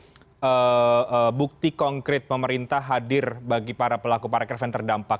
ini adalah salah satu bukti konkret pemerintah hadir bagi para pelaku parekraf yang terdampak